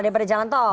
daripada jalan tol